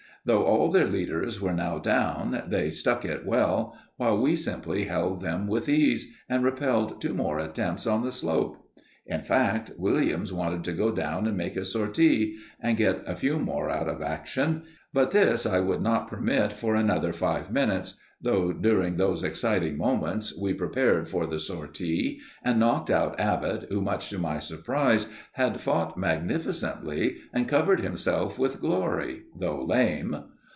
Though all their leaders were now down, they stuck it well, while we simply held them with ease, and repelled two more attempts on the slope. In fact, Williams wanted to go down and make a sortie, and get a few more out of action; but this I would not permit for another five minutes, though during those exciting moments we prepared for the sortie, and knocked out Abbott, who, much to my surprise, had fought magnificently and covered himself with glory, though lame.